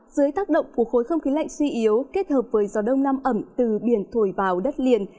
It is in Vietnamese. dưới tác động của khối không khí lạnh suy yếu kết hợp với gió đông nam ẩm từ biển thổi vào đất liền